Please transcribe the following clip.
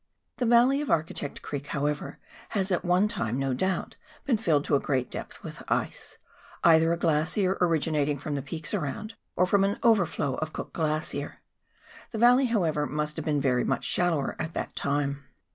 The valley of Architect Creek, however, has at one time, no doubt, been filled to a great depth with ice : either a glacier originating from the peaks around, or from an overflow of Cook Glacier. The valley, however, must have been very much shallower at the time.